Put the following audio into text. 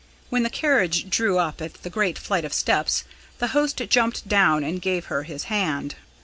When the carriage drew up at the great flight of steps, the host jumped down and gave her his hand.